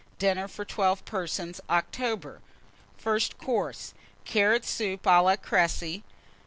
DINNER FOR 12 PERSONS (OCTOBER). FIRST COURSE. Carrot Soup à la Créci.